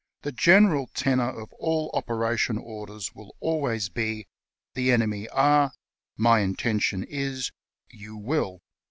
the general tenour of all operation orders will always be : The enemy are. ... My intention i*. ... You will.